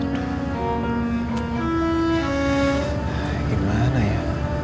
tidak ada yang bisa dipercaya